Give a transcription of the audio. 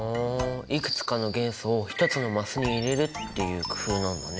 いくつかの元素を一つのマスに入れるっていう工夫なんだね。